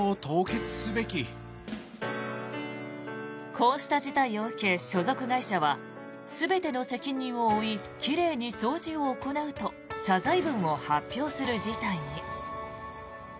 こうした事態を受け所属会社は全ての責任を負い奇麗に掃除を行うと謝罪文を発表する事態に。